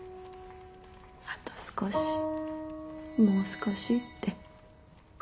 あと少しもう少しって。